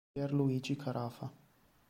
Pier Luigi Carafa